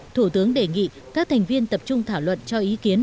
thủ tướng đề nghị các thành viên tập trung thảo luận cho ý kiến